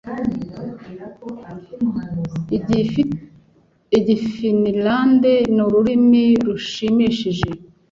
Igifinilande ni ururimi rushimishije.